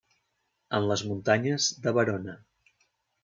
En les muntanyes de Verona.